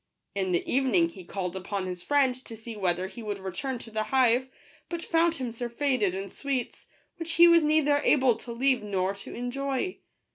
In the evening he called upon his friend to see whether he would return to the hive ; but found him surfeited in sweets, which he was neither able to leave nor to enjoy.